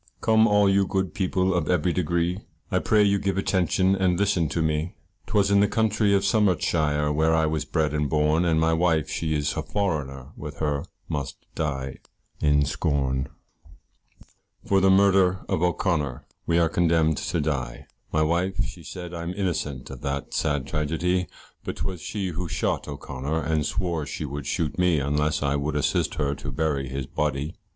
Come all you good people of every degree, I pray you give attention and listen to me, 'Twas in the county of Somersetshire where I was bred and born, And my wife she is a foreigner, with her must die in scorn. For the murder of O'Connor we are condemned to die; My wife she said I'm innocent of that sad tragedy, But 'twas she who shot O'Connor and swore she would shoot me, Unless I would assist her to bury his body.